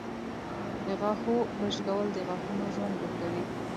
د غاښونو برش کول د غاښونو ژوند اوږدوي.